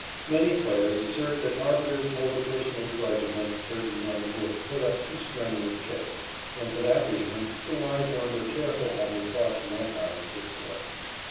Many players assert that arbiters hold a personal grudge against certain men who have put up too strenuous kicks, and for that reason the wise ones are careful how they talk to umpires of this sort.